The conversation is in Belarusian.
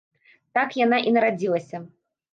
Так яна і нарадзілася.